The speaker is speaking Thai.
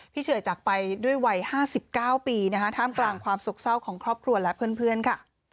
เฉยจากไปด้วยวัย๕๙ปีนะคะท่ามกลางความสกเศร้าของครอบครัวและเพื่อนค่ะ